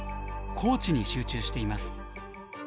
高知に集中しています。